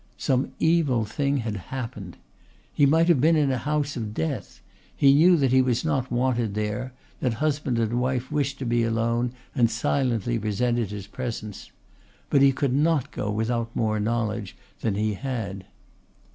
Some evil thing had happened. He might have been in a house of death. He knew that he was not wanted there, that husband and wife wished to be alone and silently resented his presence. But he could not go without more knowledge than he had.